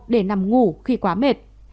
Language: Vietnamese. để nằm ngủ khi quá mệt